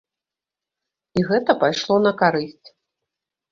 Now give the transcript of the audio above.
І гэта пайшло на карысць.